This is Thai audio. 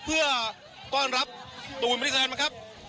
เพื่อก้อนรับตูนบริษัทแหลมนะครับ